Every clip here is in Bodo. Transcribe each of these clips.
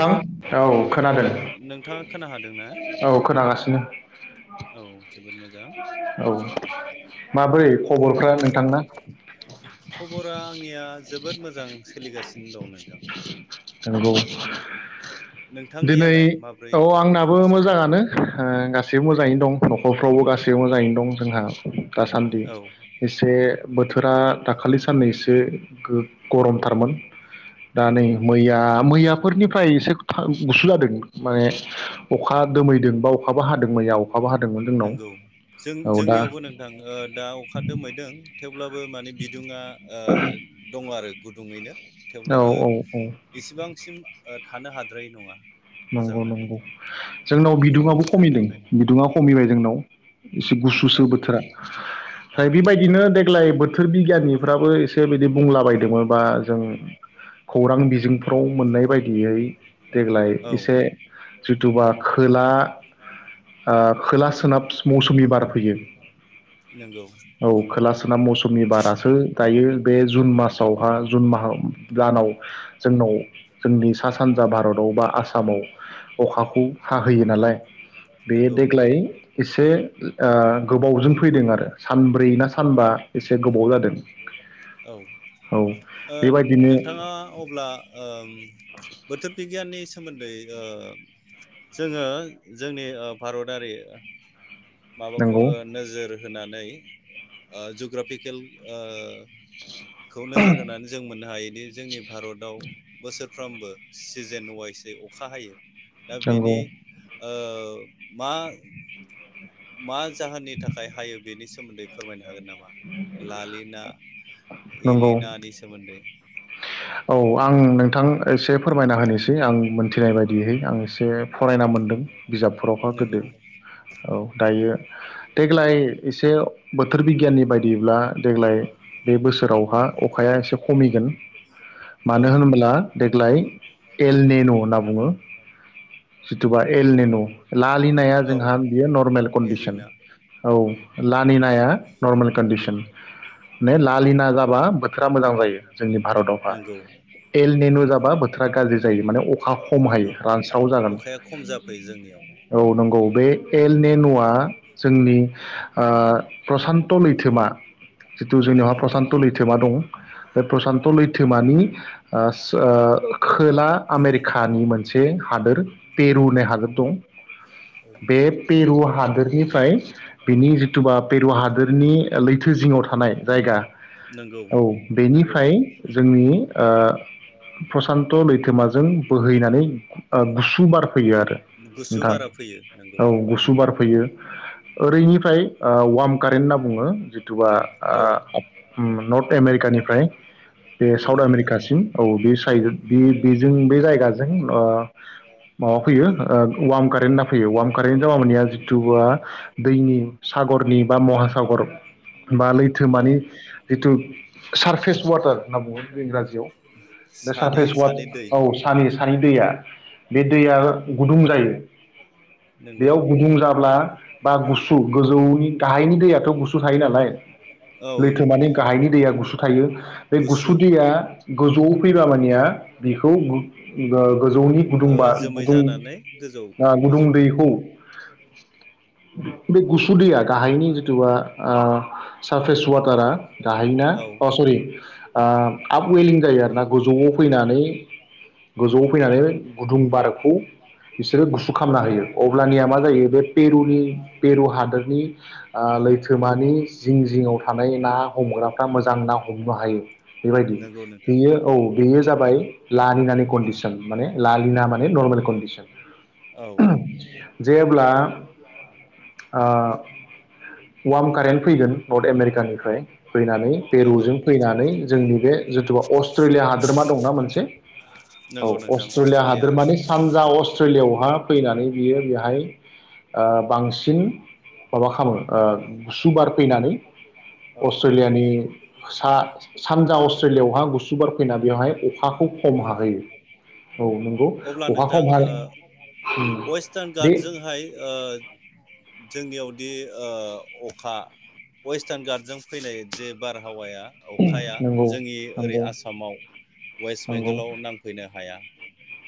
नोंथां औ खोनादों नोंथाङा खोना हादोंना औ खोनागासिनो औ जोबोद मोजां औ माबोरै खबरफ्रा नोंथांना खबरा आंनिया जोबोद मोजां। सोलिगासिनो दं नोंथां। जानांगौ। दिनै नोंथांनियालाय माब्रै औ दं आंनाबो खबर सबर मोजाङानो ओ गासैबो मोजाङैनो दं। न'खफ्राव गास सिबो मोजाङैनो दं जोंहा दासान्दि औ एसे बोथोरा दाखालि साननैसे गो गरम थारमोन दा नै [unintelligible] थां मैया मैयाफोरनिफ्राय एसे गुसु जादों माने अखा दोमैदों बा अखाबो हादों मैया अखाबो हादोंमोन जोंनाव नंगौ जों औ दा जोंनियावबो नोंथां दा अखादोंमैदों थेवब्लाबो माने बिदुुं‌ आ दङ आरो। दुङैनो औ थेवब्लाबो औ औ इसिबांसिम ओ थानो हाद्रायै नङा नंगौ मोजाङानो नंगौ जोंनाव गरम बिदुङआबो बोथोरखौ खमिदों नायनानै बिदुङा खमिबाय जोंनाव एसे औ गुसुसो औ बोथोरा बेबायदिनो देग्लाय बोथोर बिगियनिफ्राबो एसे बिदि बुंलाबायदोंमोन बा जों खौरां बिजोंफ्राव मोननाय बायदियै देग्लाय औ एसे जिथुबा खोला ओ खोला सोनाब मौसुमि बा फैयो नंगौ औ खोला सोनाब मौसुमि बारासो दायो बे जुन मासावहा जुन म दानाव जोंनाव जोंनि सा सानजा भारताव बा आसाम आसामाव अखाखौ हाहोयो नालाय बे नंगौ नंगौ देग्लाय एसे ओ गोबावजों फैदों आरो सानब्रै ना सानबा एसे गोबाव जादों औ औ ओ बेबायदिनो उम बोथोर बिगियाननि सोमोन्दै जोङो जोंनि भारतारि माबाखौ नंगौ ओ नोजोर होनानै ओ जुग्राफिकेल ओ खौ नोजोर होनानै जों मोननो हायोदि जोंनि भारताव बोसोरफ्रोमबो सिजेन वाइसै अखा हायो दा नंगौ बेनि ओ मा मा जाहोननि थाखाय हायो बेनि सोमोन्दै फोरमायनो हागोन नामा लालिना नंगौ इलिनानि सोमोन्दै औ आं नोंथां एसे फोरमायना होनोसै आं मोनथिनाय बायदियैहै आं एसे फरायना मोनदों बिजाबफोरावहा गोदो नंगौ औ दायो देग्लाय एसे बोथोर बिगियाननि बायदिब्ला देग्लाय बे बोसोरावहा अखाया एसे खमिगोन औ मानो होनोब्ला देग्लाय एलनेन' होनना बुङो जिथुबा एल नेन' लालिनाया जोंहा औ बियो नर्मेल कन्डिसन एलिना औ लालि नाया नर्मेल कन्दिसन माने लालिना जाबा बोथोरा मोजां जायो जोंनि भारताव नंगौ एल नेनु जाबा बोथोरा गाज्रि जायो माने अखा खम हायो नंगौ रानस्राव जागोन अखाया खम जाफैयो जोंनियाव औ नंगौ बे एल नेनुआ जोंनि ओ प्रसान्त लैथोमा जिथु जोंनियावहा प्रसान्त लैथोमा दं बे प्रसान्त लैथोमा थोमानि खोला आमेरिकानि मोनसे हादोर पेरु होननाय हादोर दं बे पेरु हादोरनिफ्राय बेनि जिथुबा पेरु हादोरनि लैथो जिङाव थानाय जायगा नंगौ औ नंगौ बेनिफ्राय जोंनि ओ प्रसान्त लैथोमाजों बोहैनानै गुसु बार फैयो आरो गुसु नोंथां बारा फैयो नंगौ औ गुसु बार फैयो ओरैनिफ्राय ओ-वार्म कारेन्ट होनना बुङो जिथुबा औ ओ-ओम नर्थ एम। आमेरिका। ओमफ्राय। बे नंगौ साउथ नोंथां आमेरिकासिम औ बे साइड बे बेजों बे जायगाजों ओ- माबा फैयो ओ-वार्म कारेन्ट होनना फैयो वार्म कारेन्ट जाबा मानिया जिथु दैनि सागरनि बा महासागर बा औ लैथोमानि जिथु। Surface water. होनना बुङो बे इंराजियाव बे सानै सापेसवान सानै दै औ सानि सानि दैया बे दैया गुदुं जायो नंगौ बेयाव गुदुं जाब्ला बा गुसु गोजौनि गाहायनि दैयाथ गुसु थायो नालाय औ लैथो मानि गाहायनि दैया गुसु। थायो। बे गुसु गुसुदिया गोजौ। फैबा मानिया बेखौ गो-ओ- गोजौनि ओ गुदुं बा जोमै गुदुं जानानै गोजौ ओ-गुदुं गोजौ थाङो दैखौ। बे गुसुदैया गाहायनि जिथुवा ओ-ओ-सारफेस। वाटारा गाहायना औ अ सरि। आ- आफ उइ जायो आरोना गोजौआव फैनानै गोजौआव फैनानै गुदुं बारखौ बिसोरो गुसु खालामना होयो अब्लानिया मा जायो बे पेरुनि पेरु हादोरनि ओ-लैथोमानि जिं जिङआव थानाय ना हमग्राफ्रा मोजां ना हमनो हायो। बेबायदि नंगौ नोंथां बेयो। बेयो जाबाय लालिनानि कन्डिसन माने लालिना माने नर्मेल कन्डिसन औ औ जेब्ला ओ- वार्म कारेन्ट फैगोन नर्थ आमेरिकानिफ्राय फैनानै नंगौ पेरुजों फैनानै। जोंनि बे जथुवा [unintelligible] हादोरमा दंना मोनसे औ नंगौ नोंथां अस्ट्रेलिया हादर हादोरमानि सानजा अस्ट्रेलियाआवहा फैनानै बियो बेहाय ओ-बांसिन माबा खालामो ओ- गुसु बार फैनानै औ अस्ट्रेलियानि सा। सानजा अस्ट्रेलियाव हा गुसु। बेवहाय अखाखौ खम नंगौ हाहैयो औ नंगौ अब्ला अखा नोंथां खम ओ हाय- ओम वेस्टार्न बे। गार्डजोंहाय ओ जोंनियावदि ओ-अखा वेस्टार्न गार्डजों फैनाय जे बारहावाया। अखाया नंगौ जोंनि ओरै नंगौ आसाम। वेस्ट नंगौ बेंगलाव नांफैनो हाय हाया।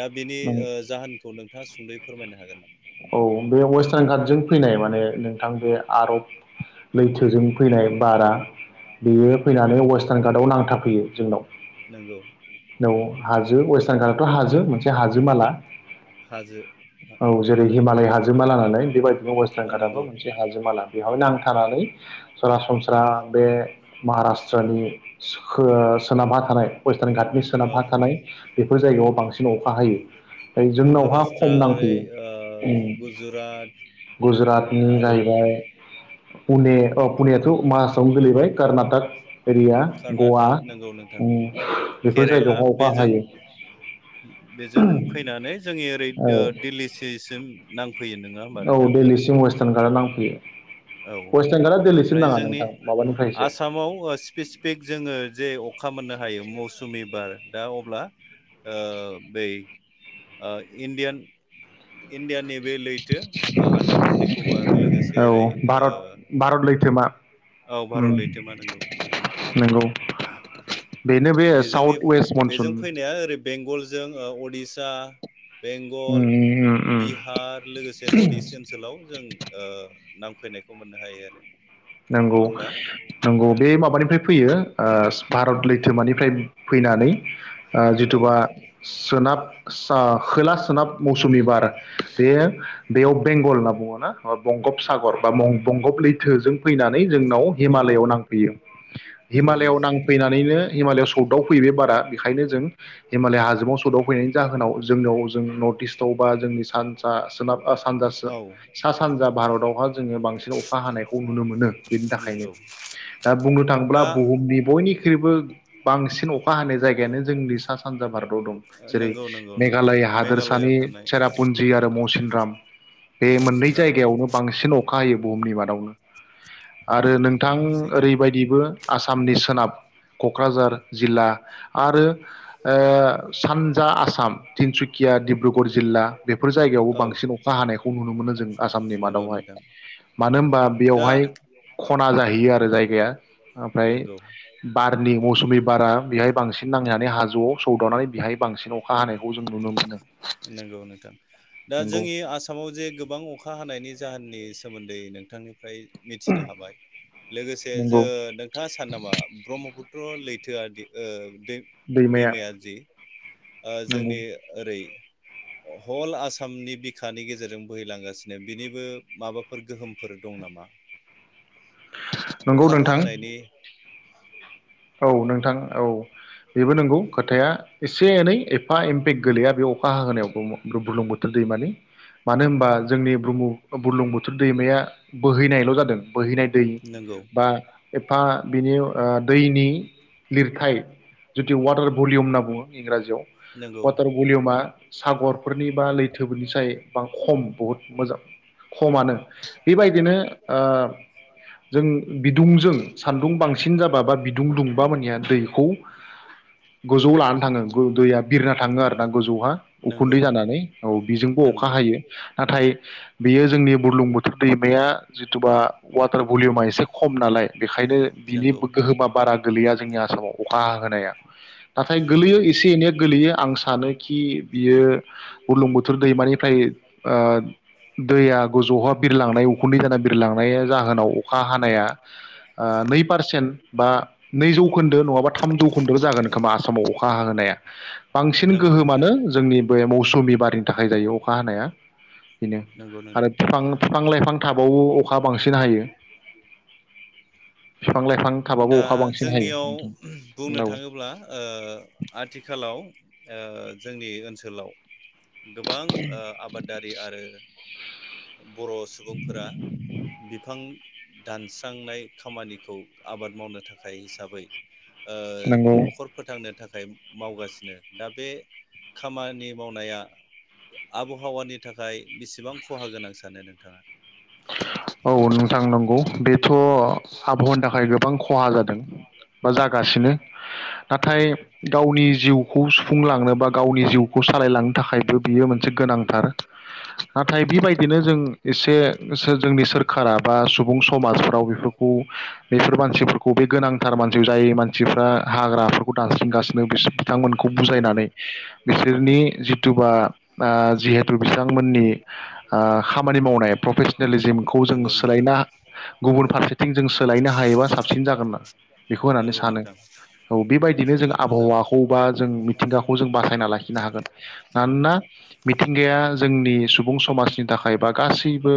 दा बिनि नंगौ ओ-जाहोनखौ नों। थाङा सुंदै फोरमायनो हागोन नामा? औ बे वेस्टार्न कार्डजों फैनाय माने नोंथां बे आरब लैथोजों फैनाय बारा बेयो फैनानै वेस्टार्न कार्टआव नांथाफैयो जोंनाव। नोंगौ। [unintelligible] हाजो वेस्टार्न खालथ हाजो मोनसे हाजो माला। हाजो। जेरै हिमालय हाजोमा लानानै बेबायदिनो वेस्टार्न घाटाबो नंगौ मोनसे हाजो माला। बेहाव नांथारालै सरासनस्रा बे महाराष्ट्रनि सख' बो सोनाबहा थानाय फस्टान गाटनि औ सोनाबहा थानाय बेफोर जायगायाव बांसिन अखा हायो। फ्राय जोंनावहा महाराष्ट्र खम ओरै नांफैयो। उम ओ गुजरात गुजुरातनि आरो जाहैबाय पुने अ' पुनियाथ' मासआवनो गोलैबाय। कर्नाटक एरिया गवा कर्नाटक नंगौ नोंथां। उम बेफोर केरेला जायगायावहा अखा बेजों हायो बेजों फैनानै जोंनि ओरै औ दो दिल्लीसिसिम नां फैयो नङा होमबा नोंथां। [unintelligible] गारा नांफैयो। औ वेस्टार्न घाटआ दिल्लीसिम ओमफ्राय नाङा जोंनि नोंथां माबानिफ्रायसो आसामाव ओ स्पेसपिक जोङो जे अ खा मोननो हायो। मौसुमि बार' दा अब्ला ओ बै ओ इण्डियान इण्डिया नि बे लैथो ओ आन्दामाननि कभार लोगोसे ओरै औ ओ भारत भारत लैथोमा औ भारत उम लैथोमा नंगौ। नंगौ। बेनो बे बेजोंनि साउथ वेस्ट मनसुन बेजों फैनाया ओरै बेंगलजों ओ उडिसा उम बेंगल उम उम बिहार लोगोसे नर्थ इस्ट ओनसोलाव जों ओ नांफैनायखौ मोननो हायो आरो। नङा नंगौ होमबा नंगौ बे माबानिफ्राय फैयो। ओ भारत लैथोमानिफ्राय फैनानै ओ औ जिथुबा सोनाब सा खोला सोनाब मौसुमि बार बे बेयाव बेंगल होनना बुङो। मा बंगब सागर बा मं बंगब लैथोजों फैनानै जोंनाव नंगौ हिमालयआव नांफैयो। नंगौ हिमालयआव नंगौ नोंथां नांफैनानैनो हिमालय सौदाव फैयो बे बारा बेखायनो जों हिमालय हाजोआव सौदाव फैनायनि जाहोनाव जोंनाव जों नर्थ इस्टआव बा जोंनि सानजा सोनाब सानजा सो औ सा सानजा भारतावहा जोङो बांसिन अखा हानायखौ मोनो बिनि थाखायनो नंगौ दा बुंनो थाङोब्ला दा बुहुमनि बयनिख्रुइबो बांसिन अखा हानाय जाय गायानो जोंनि सा सानजा भारताव दं। जेरै नंगौ नंगौ नंगौ मेघालय मेघालयआव हादोरसानि थानाय सेरापुन्जि आरो मौसुम ग्राम बे मोननै मौसिराम जायगायावनो बांसिन अखा हायो बुहुमनि मादावनो। आरो नंगौ नोंथां सैथो ओरैबायदिबो आसामनि सोनाब क'क्राझार जिल्ला आरो ओ सानजा आसाम तिनसुकिया डिब्रुगर जिल्ला बेफोर जायगायावबो औ बांसिन अखा हानायखौ नुनो मोनो जों आसामनि नंगौ मादावहाय। नोंथां मानो होनबा दा बेयावहाय खना जाहैयो आरो जायगाया ओमफ्राय नंगौ बारनि मौसुमि बारा बेहाय बांसिन नांनानै हाजोआव सौदावनानै बेहाय बांसिन अखा हानायखौ जों नुनो मोनो। नंगौ नोंथां दा नोंगौ। जोंनि आसामाव जे गोबां अखा जाहोननि सोमोन्दै नोंथांनि फ्राय मिथिनो हाबाय लोगोसे नंगौ जो नोंथाङा सान नामा ब्रह्मपुत्र लै थोआ दि ओ दै दैमाया दैमायाजि ओ नंगौ जोंनि ओरै हल आसामनि बिखानि गेजेरजों बोहैलांगासिनो बिनिबो माबाफोर गोहोमफोर दं नामा? नंगौ अखा नोंथां हाहोनायनि [inaudible] औ नोंथां औ बेबो नोंगौ खोथाया एसे एनै एफा एम्पेक्ट गोलैया बे अखा हाहोनायाव बुर्लुंबुथुर दैमानि मानो होमबा जोंनि ब्रह्म बुर्लुंबु थुर दैमाया बोहैनायल' जादों। बोहैनाय दै नंगौ बा बा बिनि ओ दैनि लिरथाय जुदि वाटार भलिउम होनना बुङो इंराजियाव नंगौ वाटार भलिमा सागरफोरनि बा लैथोफोरनि साय ब खम बहुत मोजां खमानो बेबायदिनो ओ जों बिदुंजों सान्दुं बांसिन जाबा बा [inaudible] गोजौ लानानै थाङो दैया बिरना थाङो आरोना गोजौहा नंगौ उखुन्दै जानानै औ बेजोंबो अखा नंगौ हायो। नाथाय बेयो जोंनि बुर्लुंबुथुर दैमाया जिथुबा वाटार भलिउमा एसे खम नालाय बेखायनो बिनि नंगौ गोहोमा गोलैया जोंनि आसामाव अखा हाहोनाया नाथाय नंगौ गोलैयो नोंथां एसे एनै गोलैयो आं सानोखि बियो बुर्लुंबुथुर दैमानिफ्राय दैया बिरलांनाय उखुनि जाना बिरलांनाय जाहोनाव अखा हानाया नै पारसेन्ट बा नै जौखोन्दो नङाबा थामजौखोन्दो जागोन खोमा आसामाव अखा हानाया। बांसिन नंगौ नोंथां गोहोमानो जोंनि बे मौसुमि बारिनि थाखाय जायो अखा हानाया बेनो नंगौ आरो नोंथां बिफां बिफां लाइफां थाबावो अखा बांसिन हायो। बिफां लाइफां दा थाबाबो अखा बांसिन हायो नोंथां जोंनियाव बुंनो औ थाङोब्ला ओ आथिखालाव जोंनि ओनसोलाव गोबां ओ आबादारि आरो बर' सुबुंफोरा बिफां दानस्रांनाय खामानिखौ आबाद मावनो थाखाय हिसाबै ओ नंगौ न'खर फोथांनो थाखाय मावगासिनो। दा बे खामानि मावनाया आबहावानि थाखाय बेसेबां खहा गोनां सानो नोंथाङा? औ नोंथां नंगौ बेथ' आबहावानि थाखाय गोबां खहा जादों बा जागासिनो। नाथाय नंगौ गावनि जिउखौ सुफुंलांनो बा गावनि जिउखौ सालायलांनो थाखायबो बियो मोनसे गोनांथार। नाथाय बेबायदिनो जों एसे जोंनि सोरखारा बा सुबुं समाजफ्राव बेफोरखौ बेफोर मानसिफोरखौ बे गोनांथार मानसि जाय मानसिफ्रा दानस्रिंगासिनो बिथांमोनखौ नंगौ बुजायनानै बिसोरनि जिथुुबा ओ जिहेथु बिथांमोननि ओ खामानि मावनाय प्रफे [unintelligible] लिजिमखौ जों नंगौ नोंथां सोलायना गुबुन फारसेथिं जों सोलायनो हायोबा साबसिन जागोन होनना बेखौ होननानै नंगौ सानो नोंथां औ बेबायदिनो जों जोबोद मोजां आबहावाखौ बा जों मिथिंगाखौ जों बासायना लाखिनो हागोन। औ मानोना मिथिंगाया जोंनि सुबुं समाजनि थाखाय बा गासैबो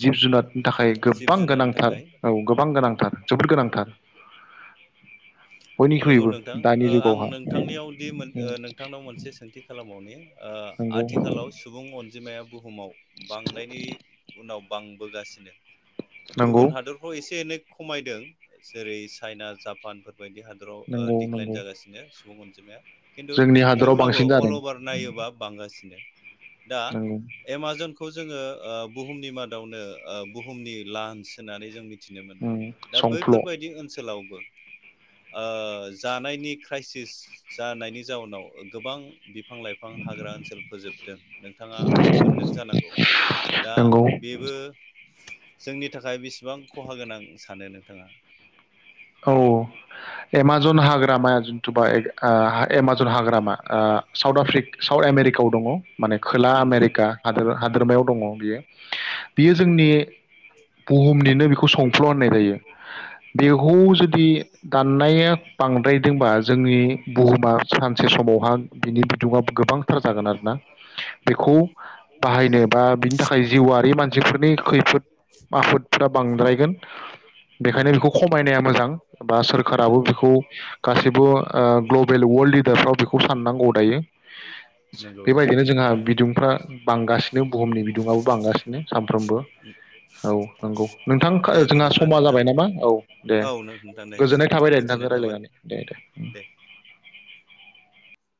जिब जुनारनि थाखाय जिब गोबां जुनारनि गोनांथार थाखाय औ गोबां गोनांथार जोबोद गोनांथार बय नंगौ नोंथां ओ आं नोंथांनियावदि मोन नोंथांनाव मोनसे सोंथि खालामबावनि ओ नंगौ आथिखालाव सुबुं अन जिमाया बुहुमाव बांनायनि उनाव बांबोगासिनो नंगौ गुबुन हादरफ्राव एसे एनै खमायदों जेरै चाइना जापानफोरबायदि हादराव ओ नंगौ डिक्लाइन नंगौ जागासिनो सु बुं अनजिमाया खिन्थु जोंनि हादराव थेवब्लाबो बांसिन अल जादों अभार नायोबा बांगासिनो दा नंगौ एमाजन खौ जोङो ओ बुहुमनि मादावनो ओ बुहुमनि लान्स होननानै जों मिथिनो मोनो दा संफ्ल बैफोरबायदि ओनसोलावबो ओ जानायनि क्राइसिस जानायनि जाउनाव गोबां बिफां लाइफां हाग्रा ओनसोल फोजोबदों नोंथाङा मोनदों जानांगौ दा नंगौ बेबो जोंनि थाखाय बेसेबां खहा गोनां सानो नोंथाङा औ एमाजना हाग्रामाया जिथुबा ओ एमाजन हाग्रामा ओ साउथ आफरि साउथ आमेरिकायाव दङ' माने खोला नंगौ आमेरिका हादोरमायाव दङ' बियो बियो जोंनि बुहुमनिनो बेखौ संफ्ल' होननाय जायो। बे खौ जुदि दाननाया बांद्रायदोंबा जोंनि बुहुमा सानसे समावहा बिनि बिदुङा गोबांथार जागोन आरो ना बेखौ बाहायनो बा बिनि थाखाय जिउआरि मानसिफोरनि खैफोद आफोदफ्रा बांद्रायगोन उम बेखायनो बेखौ बायनाया मोजां बा सोरखाराबो नंगौ बेखौ गासैबो ग्लबेल वर्ल्ड लिदारफ्राव बेखौ साननांगौ दायो नंगौ नोंथां बेबायदिनो जोंहा बिदुंफ्रा बांगासिनो बुहुमनि बिदुङाबो बांगासिनो सानफ्रोमबो औ नंगौ नोंथां दे जोंहा बिदिब्ला समा नोंथां जाबाय नामा औ दे औ नोंथां दे गोजोननाय थाबाय दे गोजोननाय नोंथांजों थाबाय रायलायनानै। दे दे उम।